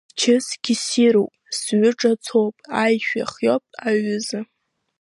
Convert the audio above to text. Счысгьы ссируп, сҩы ҿацоуп, аишәа хиоуп, аҩыза.